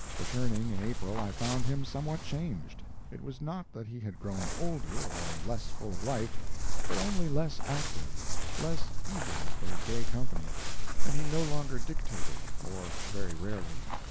Returning in April, I found him somewhat changed. It was not that he had grown older, or less full of life, but only less active, less eager for gay company, and he no longer dictated, or very rarely.